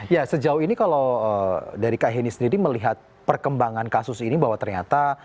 ya sejauh ini kalau dari kak heni sendiri melihat perkembangan kasus ini bahwa ternyata